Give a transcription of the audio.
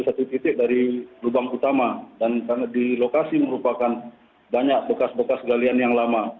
satu titik dari lubang utama dan karena di lokasi merupakan banyak bekas bekas galian yang lama